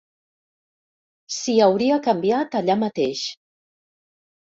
S'hi hauria canviat allà mateix.